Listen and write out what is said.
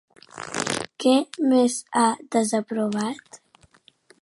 Què més ha desaprovat?